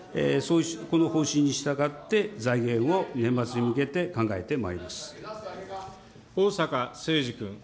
この方針に従って財源を年末に向逢坂誠二君。